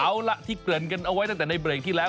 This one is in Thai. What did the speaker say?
เอาล่ะที่เกริ่นกันเอาไว้ตั้งแต่ในเบรกที่แล้ว